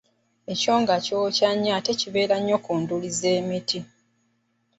Ekyonga kyokya nnyo ate kibeera nnyo ku nduli z’emiti.